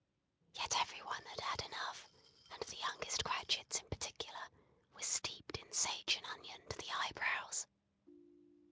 Yet every one had had enough, and the youngest Cratchits in particular, were steeped in sage and onion to the eyebrows!